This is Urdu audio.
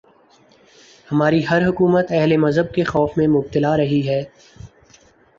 ہماری ہر حکومت اہل مذہب کے خوف میں مبتلا رہی ہے۔